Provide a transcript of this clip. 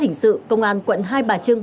hình sự công an quận hai bà trưng